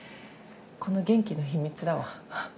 この元気の秘密だわ。